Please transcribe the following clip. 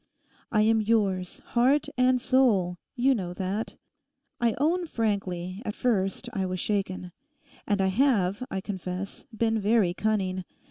I am yours, heart and soul—you know that. I own frankly, at first I was shaken. And I have, I confess, been very cunning.